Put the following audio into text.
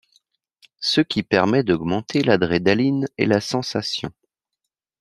Ce qui permet d'augmenter l'adrénaline et la sensation.